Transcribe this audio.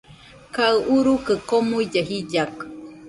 Kaɨ urukɨ komuilla jillakɨ